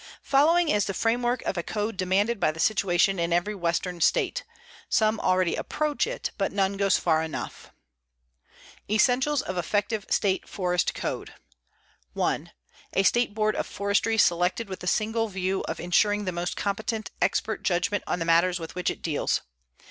Following is the framework of a code demanded by the situation in every Western state. Some already approach it, but none goes far enough: ESSENTIALS OF EFFECTIVE STATE FOREST CODE 1. A State Board of Forestry selected with the single view of insuring the most competent expert judgment on the matters with which it deals.